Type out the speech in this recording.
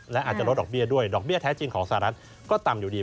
และอาจจะลดดอกเบี้ยด้วยดอกเบี้ยแท้จริงของสหรัฐก็ต่ำอยู่ดี